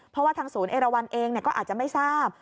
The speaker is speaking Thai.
เพราะว่าทางศูนย์เอราวันเองก็อาจจะไม่ทราบ